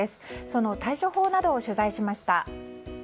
その対処法などを取材しました。